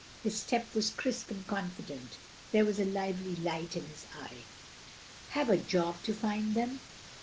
His step was crisp and confident; there was a lively light in his eye. "Have a job to find them?"